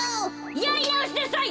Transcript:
やりなおしなさい！